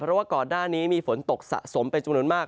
เพราะว่าก่อนหน้านี้มีฝนตกสะสมเป็นจำนวนมาก